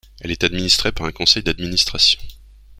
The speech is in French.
Elle est administrée par un Conseil d'administration.